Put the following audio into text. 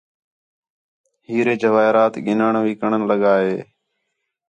ہیرے، جواہرات گِنّݨ وِکݨ لڳا ہا